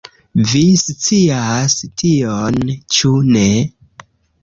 Vi scias tion ĉu ne?